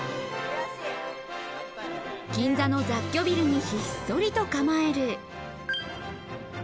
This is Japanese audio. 銀座の雑居ビルにひっそりと構える。